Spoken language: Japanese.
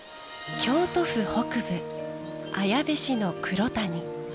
京都府北部綾部市の黒谷。